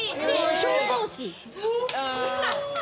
消防士。